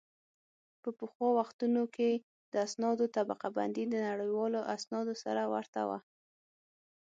په پخوا وختونو کې د اسنادو طبقه بندي د نړیوالو اسنادو سره ورته وه